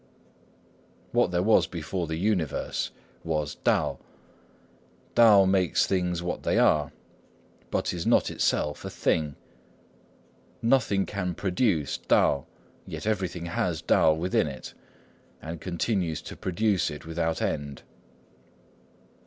What there was before the universe, was Tao. Tao makes things what they are, but is not itself a thing. Nothing can produce Tao; yet everything has Tao within it, and continues to produce it without end.